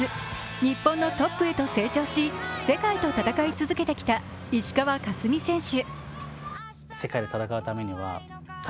日本のトップへと成長し、世界と戦い続けてきた石川佳純選手。